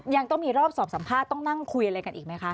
ยังต้องมีรอบสอบสัมภาษณ์ต้องนั่งคุยอะไรกันอีกไหมคะ